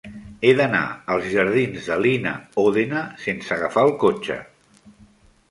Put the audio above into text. He d'anar als jardins de Lina Ódena sense agafar el cotxe.